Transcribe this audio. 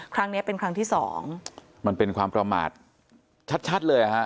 ครั้งเนี้ยเป็นครั้งที่สองมันเป็นความประมาทชัดชัดเลยอ่ะฮะ